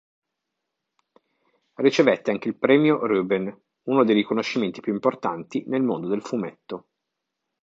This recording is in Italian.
Ricevette anche il Premio Reuben, uno dei riconoscimenti più importanti nel mondo del fumetto.